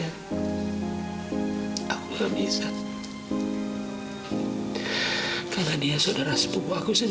yang penting padahal kita harus untukallosenya